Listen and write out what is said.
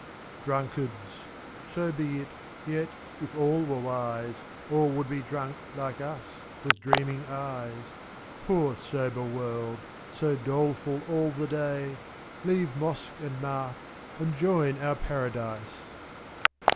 Drunkards! so be it — yet, if all were wise. All would be drunk like us, with dreaming eyes : IS. Poor sober world, so doleful all the day. Leave mosque and mart, and join our Paradise.